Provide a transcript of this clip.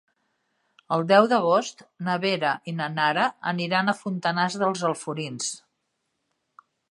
El deu d'agost na Vera i na Nara aniran a Fontanars dels Alforins.